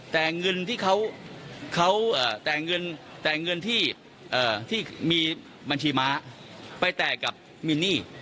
แต่เงินที่เขาแต่งเงินที่มีบัญชีม้าไปแตกกับมินนี่